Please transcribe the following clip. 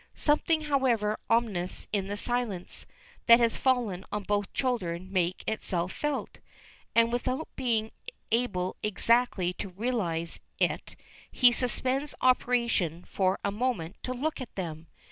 Something, however, ominous in the silence, that has fallen on both children makes itself felt, and without being able exactly to realize it he suspends operation for a moment to look at them.